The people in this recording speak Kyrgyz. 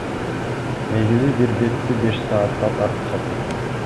Негизи бир бетти беш саатта тартышат экен.